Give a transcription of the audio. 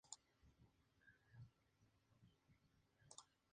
Como resultado del impacto y posterior incendio, el avión quedó destruido.